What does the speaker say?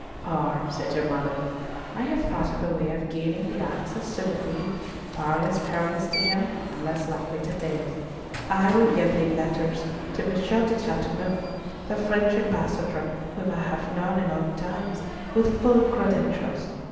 "For," said her mother, "I have thought of a way of gaining thee access to the Queen, far less perilous to him, and less likely to fail. I will give thee letters to M. De Chateauneuf, the French Ambassador, whom I have known in old times, with full credentials.